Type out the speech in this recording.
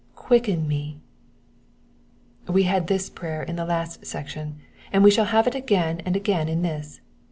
^^ Quicken me.''^ We had this prayer in the last section, and we shall have it again and again in this.